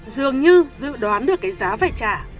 dường như dự đoán được cái giá phải trả